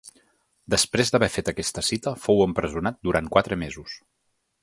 Després d’haver fet aquesta cita, fou empresonat durant quatre mesos.